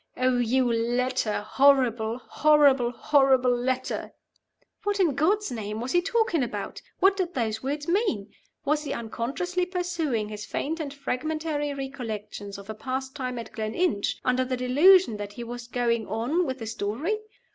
Oh, you letter. Horrible, horrible, horrible letter.'" What, in God's name, was he talking about? What did those words mean? Was he unconsciously pursuing his faint and fragmentary recollections of a past time at Gleninch, under the delusion that he was going on with the story?